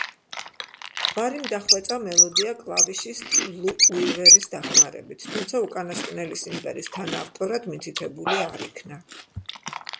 ბარიმ დახვეწა მელოდია კლავიშისტ ბლუ უივერის დახმარებით, თუმცა უკანასკნელი სიმღერის თანაავტორად მითითებული არ იქნა.